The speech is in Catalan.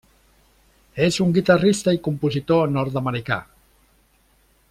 És un guitarrista i compositor nord-americà.